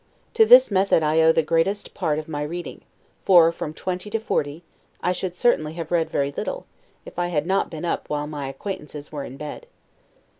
To this method I owe the greatest part of my reading: for, from twenty to forty, I should certainly have read very little, if I had not been up while my acquaintances were in bed.